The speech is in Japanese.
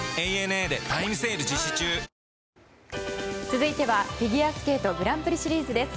続いてはフィギュアスケートグランプリシリーズです。